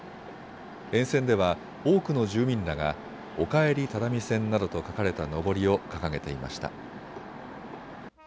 沿線では多くの住民らがおかえり只見線などと書かれたのぼりを掲げていました。